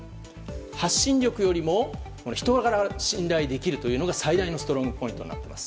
発信力よりも人柄が信頼できるというのが最大のストロングポイントになっています。